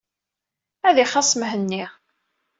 Ad ixaṣ Mhenni.